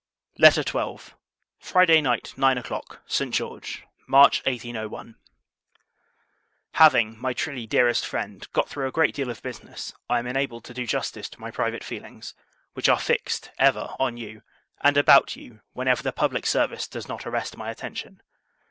LETTER XII. Friday Night, Nine o'Clock. St. George. [March 1801.] Having, my truly Dearest Friend, got through a great deal of business, I am enabled to do justice to my private feelings; which are fixed, ever, on you, and about you, whenever the public service does not arrest my attention.